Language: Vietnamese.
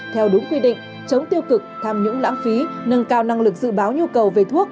theo đúng quy định chống tiêu cực tham nhũng lãng phí nâng cao năng lực dự báo nhu cầu về thuốc